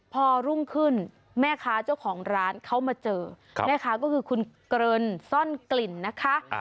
พอรุ่งขึ้นแม่ค้าเจ้าของร้านเขามาเจอแม่ค้าก็คือคุณเกริ่นซ่อนกลิ่นนะคะ